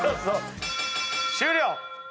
終了！